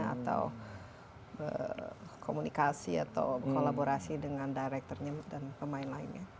atau berkomunikasi atau kolaborasi dengan directornya dan pemain lainnya